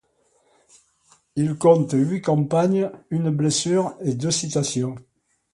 Il compte huit campagnes, une blessure et deux citations.